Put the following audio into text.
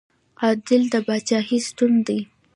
عدل د پاچاهۍ ستون دی